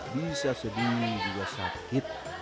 bisa sedih juga sakit